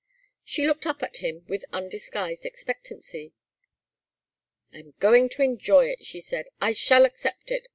She looked up at him with undisguised expectancy. "I am going to enjoy it," she said. "I shall accept it.